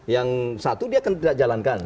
yang satu dia akan tidak jalankan